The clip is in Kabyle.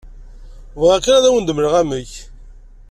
Bɣiɣ kan ad wen-d-mmleɣ amek.